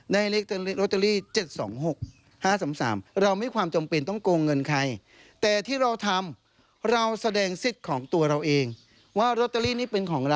ได้เลขนั้นเลขโรตเตอรี่๗๒๖๕๓๓